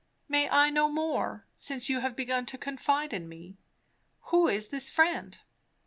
"May I know more, since you have begun to confide in me? Who is this friend?"